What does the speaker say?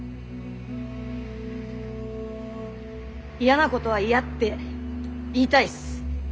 嫌なことは嫌って言いたいっす。